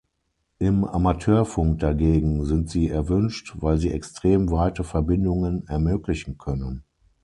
Im Amateurfunk dagegen sind sie erwünscht, weil sie extrem weite Verbindungen ermöglichen können.